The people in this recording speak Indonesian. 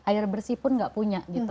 air bersih pun tidak punya